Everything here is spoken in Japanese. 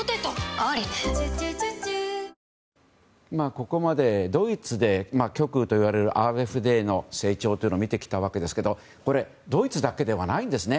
ここまでドイツで極右といわれるＡｆＤの成長というのを見てきたわけですけどドイツだけではないんですね。